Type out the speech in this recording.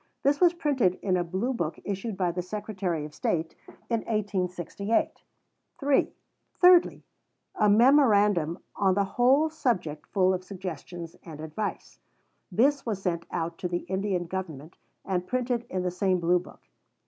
This was printed in a Blue book issued by the Secretary of State in 1868. (3) Thirdly, a memorandum on the whole subject full of suggestions and advice. This was sent out to the Indian Government, and printed in the same Blue book.